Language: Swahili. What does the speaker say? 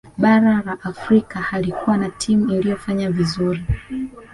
bara la afrika halikuwa na timu iliyofanya vizuri